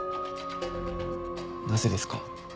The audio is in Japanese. なぜですか？